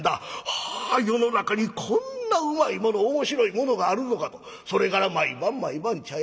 『はあ世の中にこんなうまいもの面白いものがあるのか』とそれから毎晩毎晩茶屋通いじゃ。